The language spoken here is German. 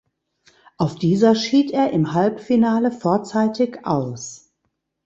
Auf dieser schied er im Halbfinale vorzeitig aus.